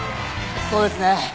そうですね。